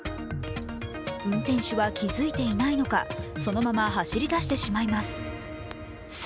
運転手は気付いていないのかそのまま走り出してしまいます。